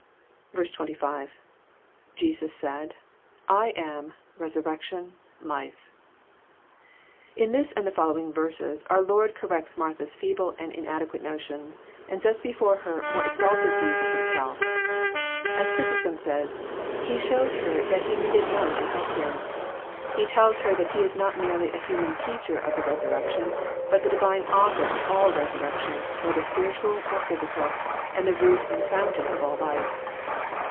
95. — \Je8U8 said,.,I am,.,re8urrection,,d%fe,'] In this and the follow* ing verses, our Lord corrects Martha's feeble and inadequat.a notions, and sets before her more exalted views of Himself. As Chrysostom says, " He shows her that He needed none to help Him." He tells her that He is not merely a human teacher of the resurrection, but the Divine Author of all resurrection, whether spiritual or physical, and the Hoot and Fountain of all life.